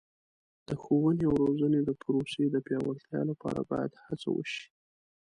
د ښوونې او روزنې د پروسې د پیاوړتیا لپاره باید هڅه وشي.